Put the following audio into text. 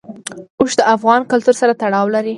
اوښ د افغان کلتور سره تړاو لري.